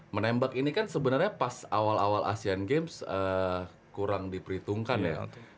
menembak ini kan sebenarnya pas awal awal asean games kurang diperhitungkan ya